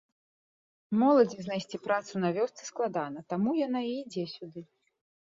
Моладзі знайсці працу на вёсцы складана, таму яна і ідзе сюды.